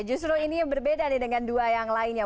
justru ini berbeda dengan dua yang lainnya